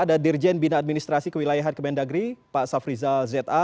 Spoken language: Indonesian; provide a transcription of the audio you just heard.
ada dirjen bina administrasi kewilayahan kemendagri pak safriza z a